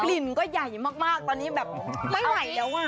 ลิ่นก็ใหญ่มากตอนนี้แบบไม่ไหวแล้วอ่ะ